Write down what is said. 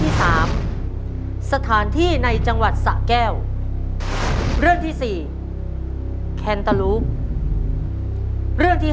ที่สามสถานที่ในจังหวัดสะแก้วเรื่องที่สี่เรื่องที่